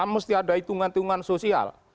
mesti ada hitungan hitungan sosial